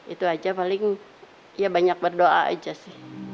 itu aja paling ya banyak berdoa aja sih